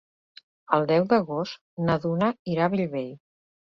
El deu d'agost na Duna irà a Bellvei.